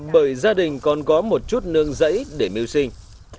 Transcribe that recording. bởi gia đình còn có một chút năng lượng để tìm kiếm kế sinh nhạy